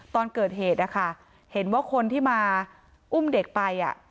ตอนเกิดเหตุนะคะเห็นว่าคนที่มาอุ้มเด็กไป